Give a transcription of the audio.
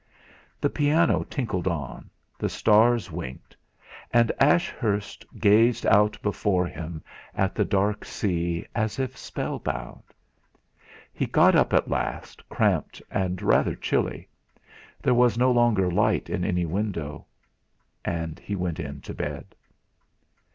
The piano tinkled on, the stars winked; and Ashurst gazed out before him at the dark sea, as if spell bound. He got up at last, cramped and rather chilly. There was no longer light in any window. And he went in to bed.